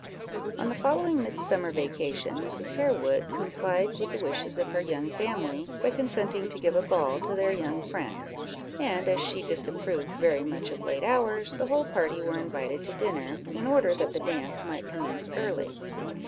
On the following midsummer vacation, Mrs. Harewood complied with the wishes of her young family, by consenting to give a ball to their young friends; and as she disapproved very much of late hours, the whole party were invited to dinner, in order that the dance might commence early.